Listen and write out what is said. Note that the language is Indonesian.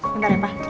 bentar ya pak